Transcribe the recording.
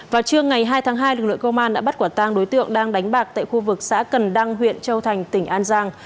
vào trưa ngày hai tháng hai lực lượng công an đã bắt quả tang đối tượng đang đánh bạc tại khu vực xã cần đăng huyện châu thành tỉnh an giang